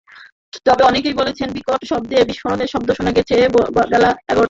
তবে অনেকেই বলেছেন, বিকট শব্দে বিস্ফোরণের শব্দ শোনা গেছে বেলা একটার পরপরই।